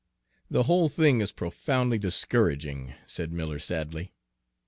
"The whole thing is profoundly discouraging," said Miller sadly.